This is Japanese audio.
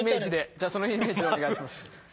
じゃあそのイメージでお願いします。